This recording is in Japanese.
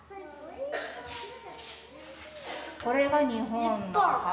これが日本の旗。